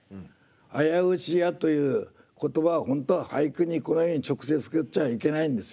「あやふしや」という言葉を本当は俳句にこのように直接使っちゃいけないんですよね。